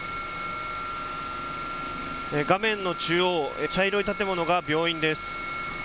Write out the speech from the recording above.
画面の中央、茶色い建物が病院です。